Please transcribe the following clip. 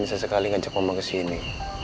sesekali ngajak mama kesini